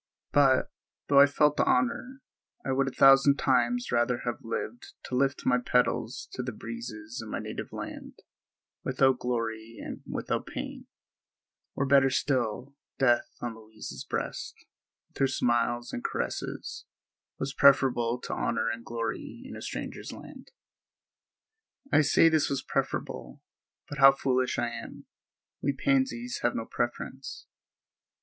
But, though I felt the honor, I would a thousand times rather have lived to lift my petals to the breezes in my native land without glory and without pain; or better still, death on Louise's breast, with her smiles and caresses, was preferable to honor and glory in a stranger's land. I say this was preferable, but how foolish I am; we pansies have no preference.